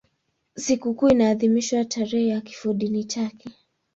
Sikukuu inaadhimishwa tarehe ya kifodini chake.